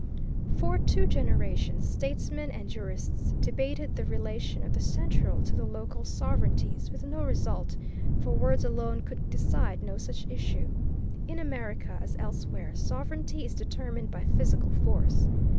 For two generations statesmen and jurists debated the relation of the central to the local sovereignties with no result, for words alone could decide no such issue. In America, as elsewhere, sovereignty is determined by physical force.